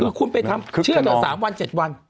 คือคุณไปทำเชื่อเธอ๓วัน๗วัน